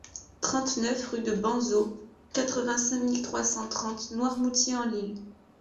trente-neuf rue de Banzeau, quatre-vingt-cinq mille trois cent trente Noirmoutier-en-l'Île